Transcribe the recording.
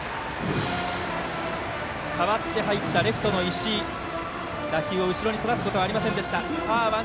代わって入ったレフトの石井打球を後ろにそらすことはありませんでした。